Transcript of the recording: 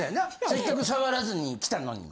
せっかく触らずにきたのに。